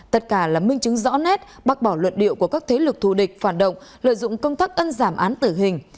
tất cả là minh chứng rõ nét bác bỏ luận điệu của các thế lực thù địch phản động lợi dụng công tác ân giảm án tử hình